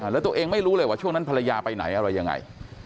แล้วตัวเองไม่รู้เลยว่าช่วงนั้นภรรยาไปไหนอะไรยังไง